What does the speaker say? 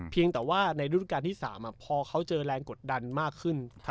เพียงแต่ว่าในรุดการที่สามอ่ะพอเขาเจอแรงกดดันมากขึ้นครับ